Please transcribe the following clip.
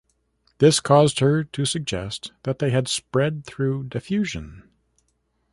This caused her to suggest that they had spread through diffusion.